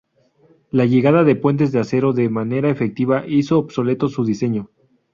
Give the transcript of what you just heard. La llegada de puentes de acero de manera efectiva hizo obsoleto su diseño.